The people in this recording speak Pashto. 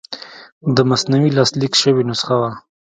د مثنوي لاسلیک شوې نسخه وه.